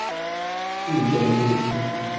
裕忠路